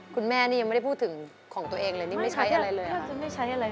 ครูเม่นี่ยังไม่ได้พูดถึงของตัวเองอย่างนี้ไม่ใช้อะไรเลยค่ะนี้ใช้รีปสติก